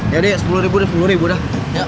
ya udah sepuluh ribu deh